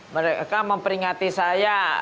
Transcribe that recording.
mereka memperingati saya